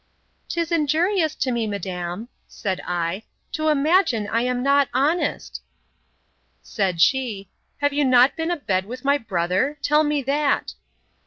'Tis injurious to me, madam, said I, to imagine I am not honest!—Said she, Have you not been a bed with my brother? tell me that.